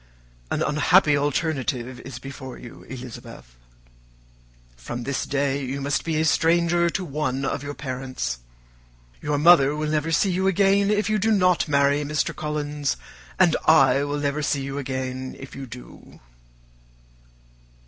"An unhappy alternative is before you, Elizabeth. From this day you must be a stranger to one of your parents. Your mother will never see you again if you do not marry Mr. Collins, and I will never see you again if you do."